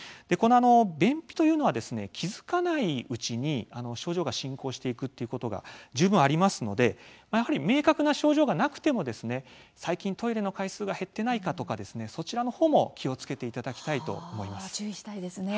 これは便秘というのは気付かないうちに症状が進行していくということが十分ありますのでやはり明確な症状がなくても最近、トイレの回数が減っていないかとかそちらのほうも気をつけていただきたいと思います。